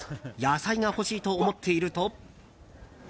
野菜が欲しいと思っていると。